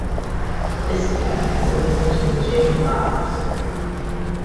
This tech has the potential to change lives.